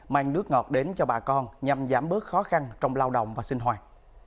mang nước ngọt đến cho bà con nhằm giảm bớt khó khăn trong lao động và sinh hoạt